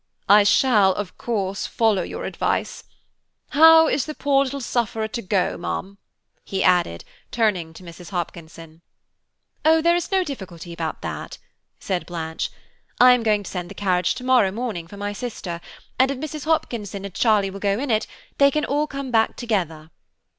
"I shall, of course, follow your advice. How is the poor little sufferer to go, ma'am?" he added, turning to Mrs. Hopkinson. "Oh, there is no difficulty about that," said Blanche. "I am going to send the carriage to morrow morning for my sister, and if Mrs. Hopkinson and Charlie will go in it, they can all come back together."